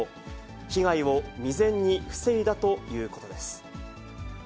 被害を未然に防いだということです。